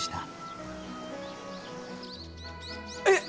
えっ！